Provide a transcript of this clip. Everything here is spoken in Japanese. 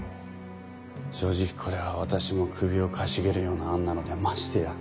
正直これは私も首をかしげるような案なのでましてや。